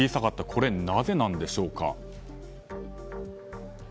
これはなぜなんでしょうか？